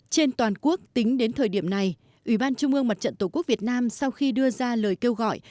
trên toàn quốc tính đến thời điểm này ủy ban trung ương mặt trận tổ quốc việt nam sau khi đưa ra lời kêu gọi